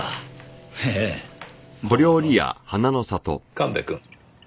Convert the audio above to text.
神戸くん。